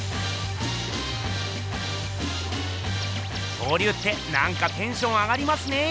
恐竜ってなんかテンション上がりますね。